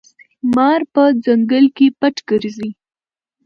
مار په ځنګل کې پټ ګرځي.